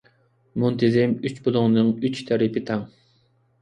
مۇنتىزىم ئۈچ بۇلۇڭنىڭ ئۈچ تەرىپى تەڭ.